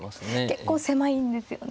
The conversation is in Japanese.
結構狭いんですよね。